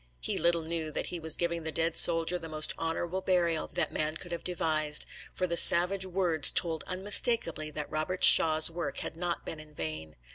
He little knew that he was giving the dead soldier the most honorable burial that man could have devised, for the savage words told unmistakably that Robert Shaw's work had not been in vain.